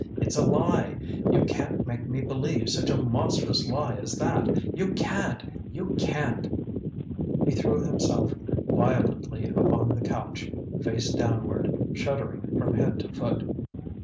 It's a lie. You can't make me believe such a monstrous lie as that! You CAN'T! You CAN'T!" He threw himself violently upon the couch, face downward, shuddering from head to foot.